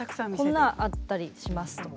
こんなんあったりしますとか。